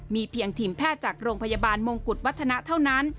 มีเพียงทีมแพทย์จากโรงพยาบาลมงกุฎวัฒนะเท่านั้น